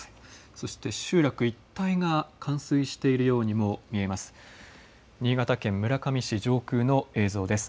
そして集落一帯が冠水しているようにも見えます。